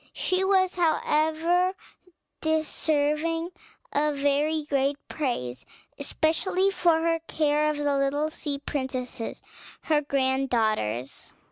She was, however, deserving of very great praise, especially for her care of the little sea princesses, her grand daughters.